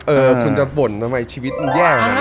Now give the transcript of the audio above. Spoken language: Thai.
เออคุณจะบ่นทำไมชีวิตมันแย่นะ